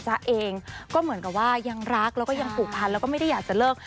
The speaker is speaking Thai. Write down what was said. เองก็เหมือนกับว่ายังรักแล้วก็ยังผูกพันแล้วก็ไม่ได้อยากจะเลิก